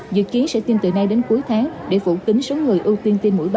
dự kiến sẽ tiêm từ nay đến cuối tháng để phủ kính số người ưu tiên tiêm mũi ba